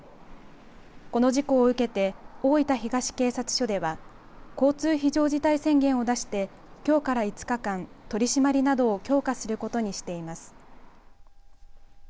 この事故を受けて大分東警察署では交通非常事態宣言を出してきょうから５日間取り締まりなどを強化することにしています。